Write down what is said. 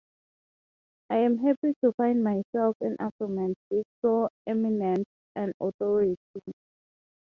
I am happy to find myself in agreement with so eminent an authority.